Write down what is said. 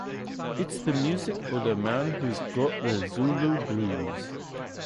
It's the music of the man who's got the Zulu blues.